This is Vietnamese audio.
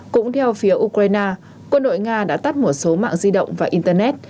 cũng theo phía ukraine quân đội nga đã tắt một số mạng di động và internet